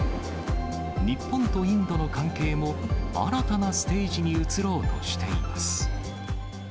日本とインドの関係も新たなステージに移ろうとしています。